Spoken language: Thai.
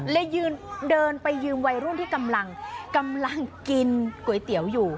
เลยยืนเดินไปยืมวัยรุ่นที่กำลังกินก๋วยเตี๋ยวอยู่